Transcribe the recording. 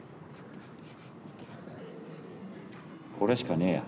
これしかねえや。